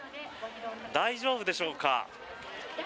大丈夫でしょうか。